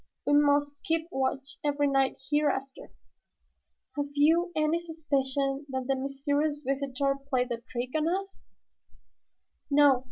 "We must keep watch every night hereafter. Have you any suspicion that the mysterious visitor played the trick on us?"